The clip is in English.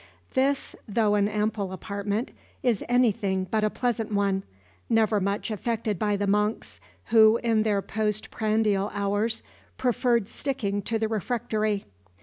This, though an ample apartment, is anything but a pleasant one; never much affected by the monks, who in their post prandial hours, preferred sticking to the refectory.